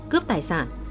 cướp tài sản